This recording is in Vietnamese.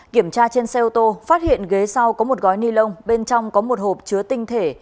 kiểm tra trên xe ô tô phát hiện ghế sau có một gói ni lông bên trong có một hộp chứa tinh thể